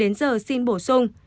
đến giờ xin bổ sung